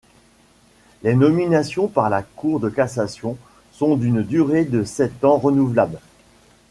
Les nominations par la Cour de cassation sont d'une durée de sept ans renouvelable.